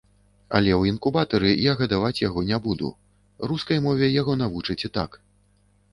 Але ў інкубатары я гадаваць яго не буду, рускай мове яго навучаць і так.